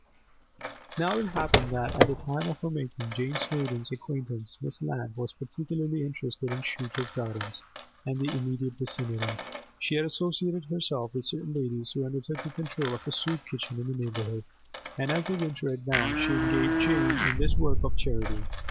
... Now it happened that, at the time of her making Jane Snowdon's acquaintance, Miss Lant was particularly interested in Shooter's Gardens and the immediate vicinity. She had associated herself with certain ladies who undertook the control of a soup kitchen in the neighbourhood, and as the winter advanced she engaged Jane in this work of charity.